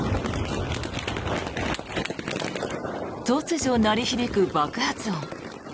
突如、鳴り響く爆発音。